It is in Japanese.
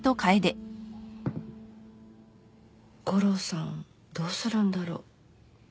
悟郎さんどうするんだろ。